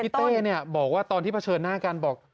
ตรงนี้พี่เต้บอกว่าตอนที่เผชิญหน้าการบอก